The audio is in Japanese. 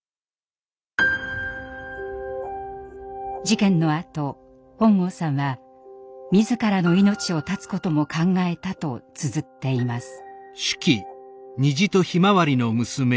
事件のあと本郷さんは自らの命を絶つことも考えたとつづっています。